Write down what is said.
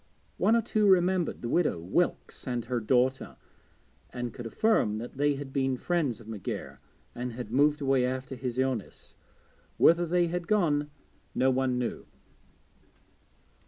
One or two remembered the widow Wilkes and her daughter, and could affirm that they had been friends of McGair and had moved away after his illness. Whither they had gone no one knew.